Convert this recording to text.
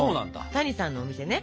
谷さんのお店ね